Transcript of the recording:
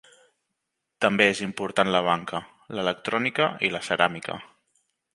També és important la banca, l'electrònica i la ceràmica.